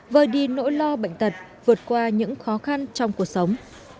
vơi đi nỗi lo bệnh tật vượt qua những khó khăn trong cuộc sống